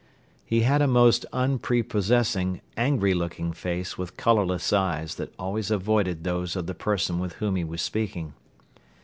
He had a most unprepossessing, angry looking face with colorless eyes that always avoided those of the person with whom he was speaking.